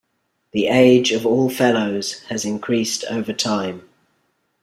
The age of all Fellows has increased over time.